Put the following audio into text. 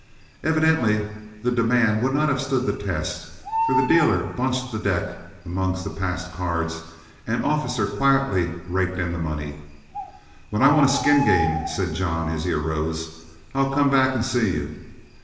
Evidently the demand would not have stood the test, for the dealer bunched the deck among the passed cards, and Officer quietly raked in the money. "When I want a skin game," said John, as he arose, "I'll come back and see you.